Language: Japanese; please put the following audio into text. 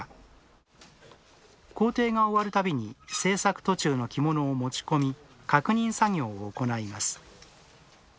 工程が終わる度に製作途中の着物を持ち込み確認作業を行います。